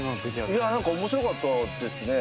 いや何か面白かったですね。